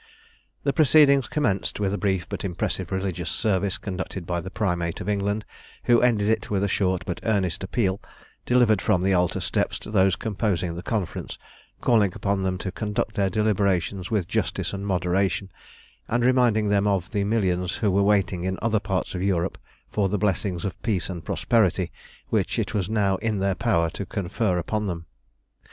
The proceedings commenced with a brief but impressive religious service conducted by the Primate of England, who ended it with a short but earnest appeal, delivered from the altar steps, to those composing the Conference, calling upon them to conduct their deliberations with justice and moderation, and reminding them of the millions who were waiting in other parts of Europe for the blessings of peace and prosperity which it was now in their power to confer upon them.